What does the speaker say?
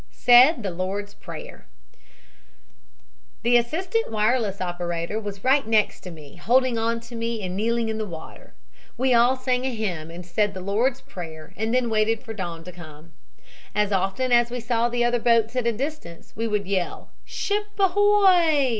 SAID THE LORD'S PRAYER "The assistant wireless operator was right next to me, holding on to me and kneeling in the water. We all sang a hymn and said the Lord's Prayer, and then waited for dawn to come. As often as we saw the other boats in a distance we would yell, 'Ship ahoy!'